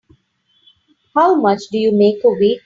How much do you make a week?